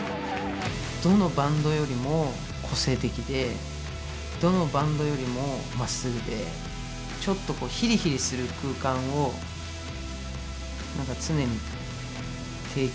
どのバンドよりも個性的でどのバンドよりもまっすぐでちょっとこうヒリヒリする空間をなんか常に提供しているバンド。